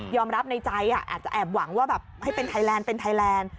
รับในใจอาจจะแอบหวังว่าแบบให้เป็นไทยแลนด์เป็นไทยแลนด์